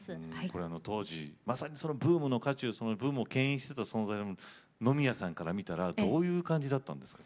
これ当時まさにそのブームの渦中そのブームをけん引してた存在の野宮さんから見たらどういう感じだったんですか？